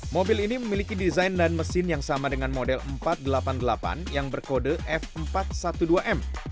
mobil ini memiliki desain dan mesin yang sama dengan model empat ratus delapan puluh delapan yang berkode f empat ratus dua belas m